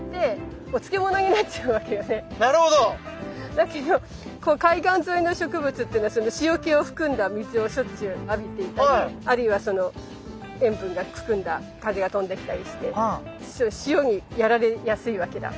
だけど海岸沿いの植物っていうのはその塩気を含んだ水をしょっちゅう浴びていたりあるいはその塩分が含んだ風が飛んできたりして塩にやられやすいわけだ。